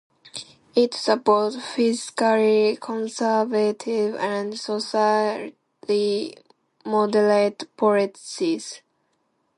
It supports fiscally conservative and socially moderate policies.